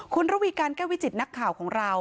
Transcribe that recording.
คุณระวีการแก้ววิจิตนักข่าวของเรา